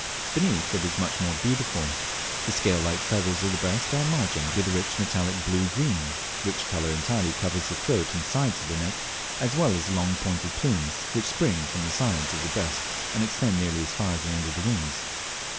Beneath, it is much more beautiful. The scale like feathers of the breast are margined with rich metallic blue green, which colour entirely covers the throat and sides of the neck, as well as the long pointed plumes which spring from the sides of the breast, and extend nearly as far as the end of the wings.